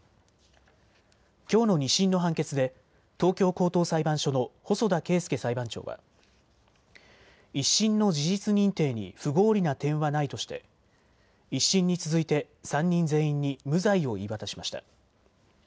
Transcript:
きょうの２審の判決で東京高等裁判所の細田啓介裁判長は１審の事実認定に不合理な点はないとして１審に続いて３人全員に無罪を言い渡しました。